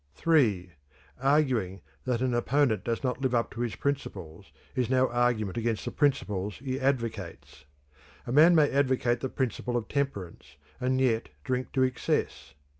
(3) Arguing that an opponent does not live up to his principles is no argument against the principles he advocates. A man may advocate the principle of temperance and yet drink to excess.